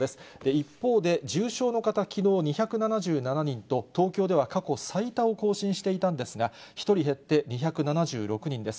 一方で、重症の方、きのう２７７人と、東京では過去最多を更新していたんですが、１人減って、２７６人です。